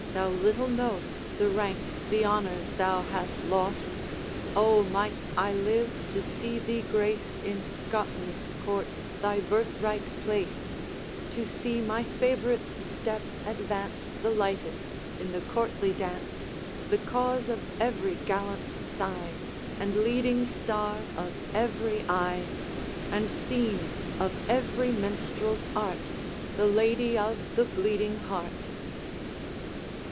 thou little know'st The rank, the honors, thou hast lost! O. might I live to see thee grace, In Scotland's court, thy birthright place, To see my favorite's step advance The lightest in the courtly dance, The cause of every gallant's sigh, And leading star of every eye, And theme of every minstrel's art, The Lady of the Bleeding Heart!'